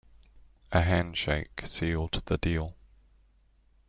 A handshake sealed the deal.